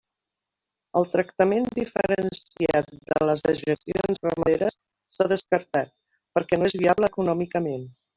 El tractament diferenciat de les dejeccions ramaderes s'ha descartat, perquè no és viable econòmicament.